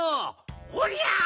ほりゃ！